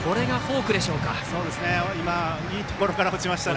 いいところから落ちました。